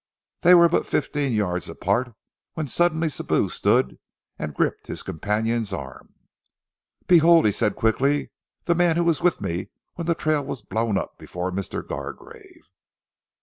They were but fifteen yards apart, when suddenly Sibou stood still and gripped his companion's arm. "Behold!" he said quickly. "The man who was with me when the trail was blown up before Mr. Gargrave."